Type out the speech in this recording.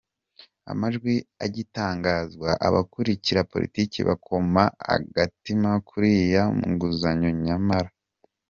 Amajwi agitangazwa, abakurikira politiki bakoma agatima kuri ya nguzanyo nyamara .